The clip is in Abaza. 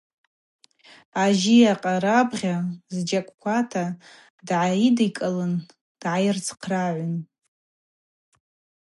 Ажьи акъарабгьа зджьакӏквата дгӏайыдикӏылын дгӏайцйырхърагӏун.